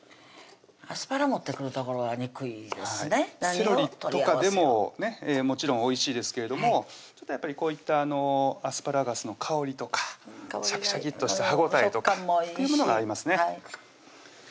セロリとかでももちろんおいしいですけれどもこういったアスパラガスの香りとかシャキシャキッとした歯応えとかというものが合いますね